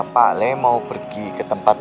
pak lem mau pergi ke tempat